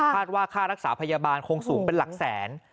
ว่าค่ารักษาพยาบาลคงสูงเป็นหลักแสน